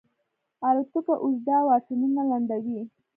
الوتکه اوږده واټنونه لنډوي.